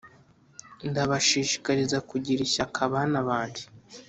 ndabashishikariza kugira ishyaka bana banjye